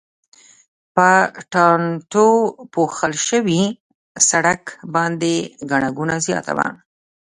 په ټانټو پوښل شوي سړک باندې ګڼه ګوڼه زیاته وه.